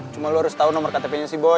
cuma lo harus tau nomor ktp nya si boy